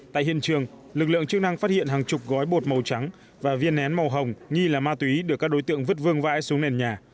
tại hiện trường lực lượng chức năng phát hiện hàng chục gói bột màu trắng và viên nén màu hồng nghi là ma túy được các đối tượng vứt vương vãi xuống nền nhà